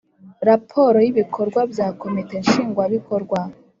Raporo y ibikorwa bya komite nshingwabikorwa